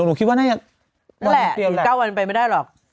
แต่ผมคิดว่าหลวง๙วันก็ไม่ได้หรอก